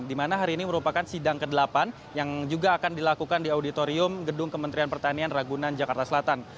di mana hari ini merupakan sidang ke delapan yang juga akan dilakukan di auditorium gedung kementerian pertanian ragunan jakarta selatan